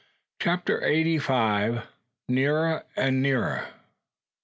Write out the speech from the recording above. CHAPTER EIGHTY FIVE. NEARER AND NEARER.